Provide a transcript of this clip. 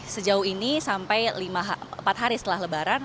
sejauh ini sampai empat hari setelah lebaran